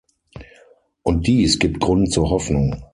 Und dies gibt Grund zur Hoffnung.